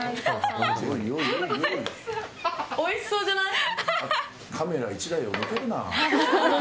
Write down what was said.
おいしそうじゃない？